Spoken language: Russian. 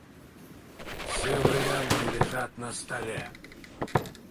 Все варианты лежат на столе.